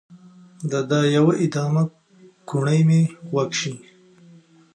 د دا يوه ادامه کوڼۍ مې خوږ شي